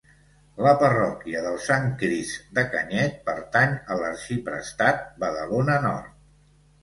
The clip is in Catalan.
La parròquia del Sant Crist de Canyet pertany a l'arxiprestat Badalona Nord.